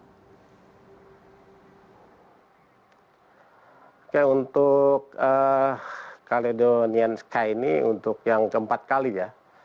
oke untuk caledonian sky ini untuk yang keempat kali ya